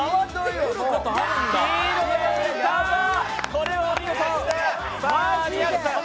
これはお見事！